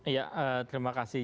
ya terima kasih